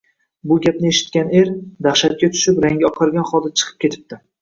Bu gapni eshitgan er dahshatga tushib, rangi oqargan holda chiqib ketibdi